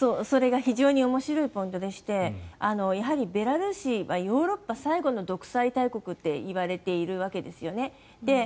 それが非常に面白いポイントでしてやはりベラルーシはヨーロッパ最後の独裁大国といわれているわけですよね。